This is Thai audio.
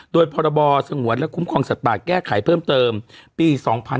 โดยพรบสงวนและคุ้มครองสัตว์ป่าแก้ไขเพิ่มเติมปี๒๕๕๙